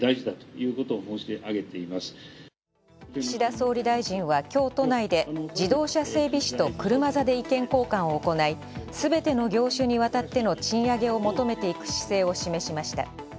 岸田総理大臣は、きょう都内で自動車整備士と車座で意見交換を行い、すべての業種にわたっての賃上げを求めていく姿勢を示しました。